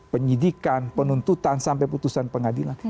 penyidikan penuntutan sampai putusan pengadilan